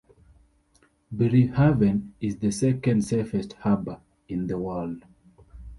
Berehaven is the second safest harbour in the world.